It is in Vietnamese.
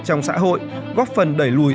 trong xã hội góp phần đẩy lùi